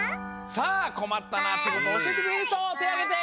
さあこまったなあってことおしえてくれるひとてをあげて！